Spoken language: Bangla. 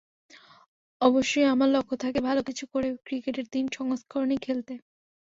অবশ্যই আমার লক্ষ্য থাকে, ভালো কিছু করে ক্রিকেটের তিন সংস্করণেই খেলতে।